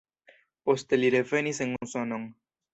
Poste li revenis en Usonon.